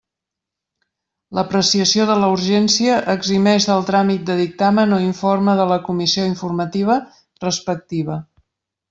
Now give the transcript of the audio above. L'apreciació de la urgència eximeix del tràmit de dictamen o informe de la comissió informativa respectiva.